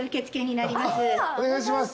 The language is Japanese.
お願いします。